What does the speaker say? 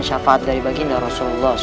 syafaat dari bagi rasulullah saw